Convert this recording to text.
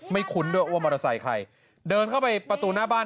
คุ้นด้วยว่ามอเตอร์ไซค์ใครเดินเข้าไปประตูหน้าบ้าน